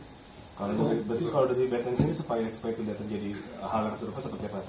supaya tidak terjadi hal yang serupa seperti apa pak